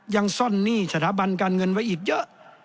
ยังซ่อนหนี้สถาบันการเงินไว้อีกเยอะ